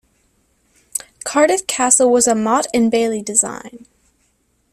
Cardiff Castle was a motte-and-bailey design.